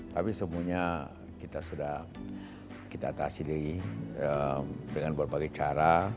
tapi semuanya kita sudah kita atasi dengan berbagai cara